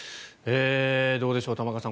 どうでしょう、玉川さん。